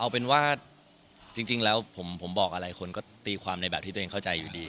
เอาเป็นว่าจริงแล้วผมบอกอะไรคนก็ตีความในแบบที่ตัวเองเข้าใจอยู่ดี